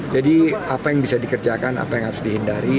jadi apa yang bisa dikerjakan apa yang harus dihindari